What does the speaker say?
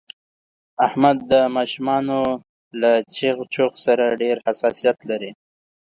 احمد د ماشومانو له چغ چوغ سره ډېر حساسیت لري.